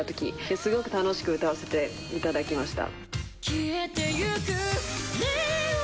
すごく楽しく歌わせていただきました。